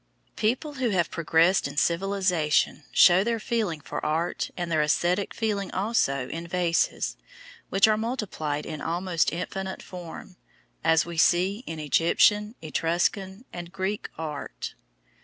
People who have progressed in civilisation show their feeling for art and their æsthetic feeling also in vases which are multiplied in almost infinite form, as we see in Egyptian, Etruscan, and Greek art.